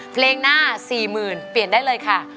เพลงหน้า๔๐๐๐เปลี่ยนได้เลยค่ะ